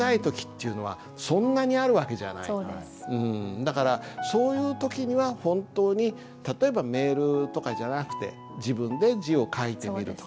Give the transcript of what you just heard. だからそういう時には本当に例えばメールとかじゃなくて自分で字を書いてみるとかね。